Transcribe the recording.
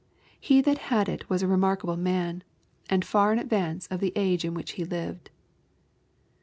He that had it was a remarkahle man^ and far in advance of the age in which he lived.